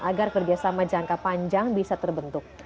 agar kerjasama jangka panjang bisa terbentuk